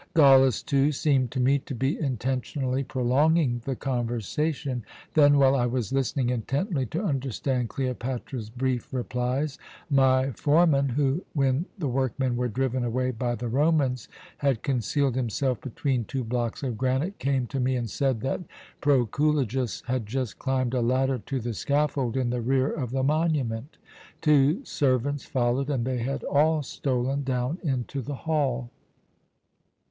"Gallus, too, seemed to me to be intentionally prolonging the conversation. "Then, while I was listening intently to understand Cleopatra's brief replies, my foreman, who, when the workmen were driven away by the Romans, had concealed himself between two blocks of granite, came to me and said that Proculejus had just climbed a ladder to the scaffold in the rear of the monument. Two servants followed, and they had all stolen down into the hall.